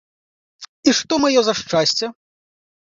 І што маё за шчасце?